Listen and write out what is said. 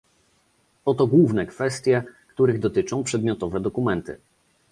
Oto główne kwestie, których dotyczą przedmiotowe dokumenty